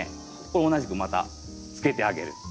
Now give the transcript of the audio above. これ同じくまたつけてあげる。